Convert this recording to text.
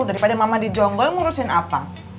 daripada mama di jonggol ngurusin apa